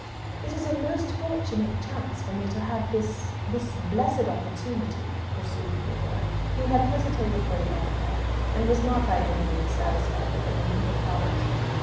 "It is a most fortunate chance for me to have this this blessed opportunity," pursued Theodore. (He had hesitated for the epithet, and was not by any means satisfied with it when he had got it).